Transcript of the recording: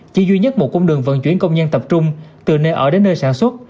chỉ duy nhất một cung đường vận chuyển công nhân tập trung từ nơi ở đến nơi sản xuất